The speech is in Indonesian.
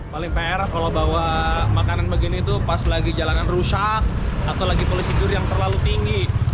paling pr kalau bawa makanan begini tuh pas lagi jalanan rusak atau lagi polisi tidur yang terlalu tinggi